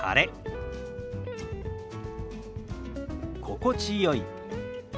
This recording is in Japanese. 「心地よい」。